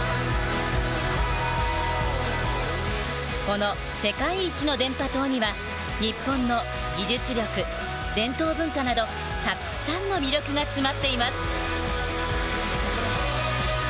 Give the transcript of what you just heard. この世界一の電波塔には日本の技術力伝統文化などたくさんの魅力が詰まっています。